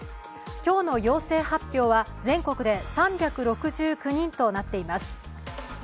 今日の陽性発表は全国で３６９人となっています。